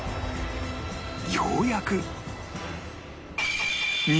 ようやく